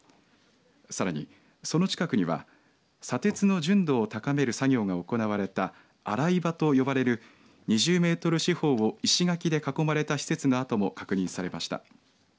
さらに、その近くには砂鉄の純度を高める作業が行われた洗い場と呼ばれる２０メートル四方を石垣で囲まれた施設の跡も確認されました。